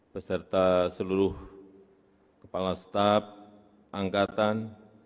beserta seluruh kepala staf angkatan